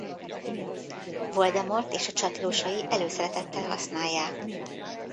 Voldemort és a csatlósai előszeretettel használják.